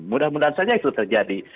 mudah mudahan saja itu terjadi